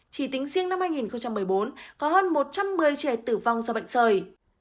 chỉ tính riêng năm hai nghìn một mươi bốn có hơn một trăm một mươi trẻ tử vong do bệnh sởi